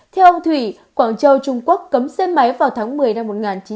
theo ông thủy quảng châu trung quốc cấm xe máy vào tháng một mươi năm một nghìn chín trăm bảy mươi